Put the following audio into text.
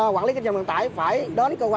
quản lý kinh doanh vận tải phải đến cơ quan